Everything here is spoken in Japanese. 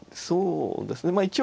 そうですねまあ